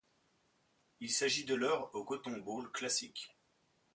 Il s'agit de leur au Cotton Bowl Classic.